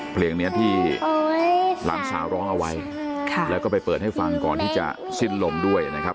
เพลงนี้ที่หลานสาวร้องเอาไว้แล้วก็ไปเปิดให้ฟังก่อนที่จะสิ้นลมด้วยนะครับ